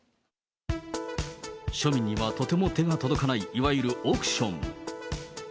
庶民にはとても手が届かない、いわゆる億ション。